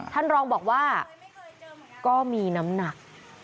ท่านรองบอกว่าก็มีน้ำหนัก